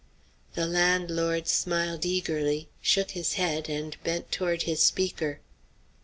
The landlord smiled eagerly, shook his head, and bent toward his speaker.